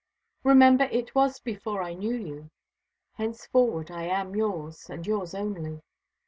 Remember it was before I knew you. Henceforward I am yours, and yours only.